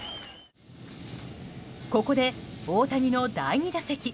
ここで大谷の第２打席。